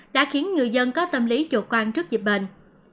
đã khiến người dân có tâm lý dột quan trước dịp bệnh